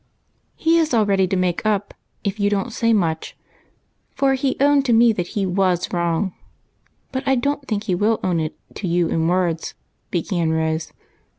" He is all ready to make up if you don't say much, for he owned to me he teas wrong ; but I don't think he will own it to you, in words," began Rose.